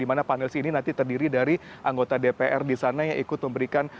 di mana panelis ini nanti terdiri dari anggota dpr di sana yang ikut memberikan